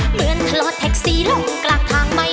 เหมือนถลอดแท็กซีลงกลากทางไม่ไปต่อ